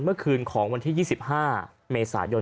เมื่อคืนของวันที่๒๕เมษายน